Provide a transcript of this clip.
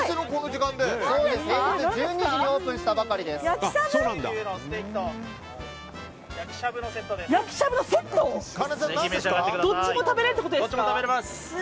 １２時にオープンしたばかりです。